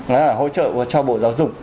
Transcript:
đó là hỗ trợ cho bộ giáo dục